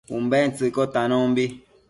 Umbentsëcquio natanombi